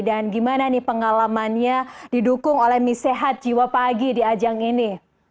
dan gimana nih pengalamannya didukung oleh misehat jiwa pagi di ajang ini